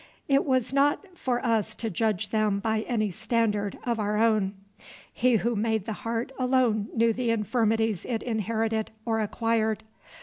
It was not for us to judge them by any standard of our own. He who made the heart alone knew the infirmities it inherited or acquired.